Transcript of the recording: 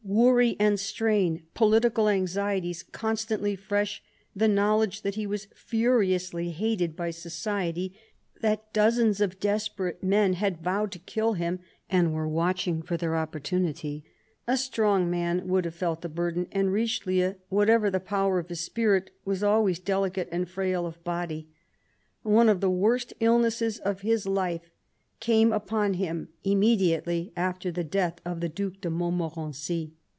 Worry and strain, political anxieties constantly fresh, the knowledge that he was furiously hated by society, that dozens of desperate men had vowed to kill him, and were watching for thoir opportunity — a strong man would have felt the burden, and Richelieu, whatever the power of his spirit, was always delicate and frail of body. One of the worst illnesses of his life came upon him immediately after the death of the Due de Montmorency.